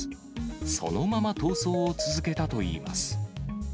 そのまま逃走を続けたといいます。